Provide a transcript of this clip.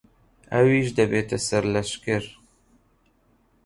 ئەویش دەبێتە سەرلەشکر.